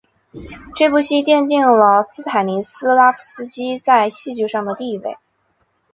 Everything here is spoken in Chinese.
这部戏奠定了斯坦尼斯拉夫斯基在戏剧上的地位。